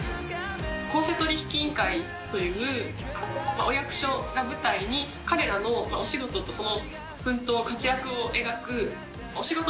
公正取引委員会というお役所が舞台に彼らのお仕事とその奮闘活躍を描くお仕事